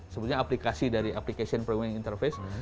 sebutnya aplikasi dari application programming interface